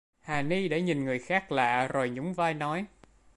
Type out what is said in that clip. Hà Ni đã nhìn người khách lạ rồi nhún vai nói